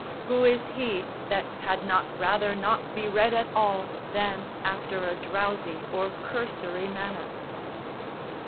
Who is he that had not rather not be read at all than after a drowsy or cursory manner?